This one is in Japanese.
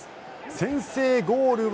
先制ゴールは。